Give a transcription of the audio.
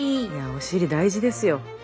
お尻大事ですよ。